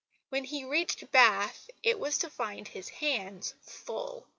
When he reached Bath it was to find his hands full.